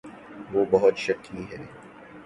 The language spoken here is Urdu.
وہ بہت شکی ہے۔